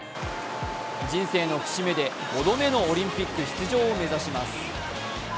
人生の節目で５度目のオリンピック出場を目指します。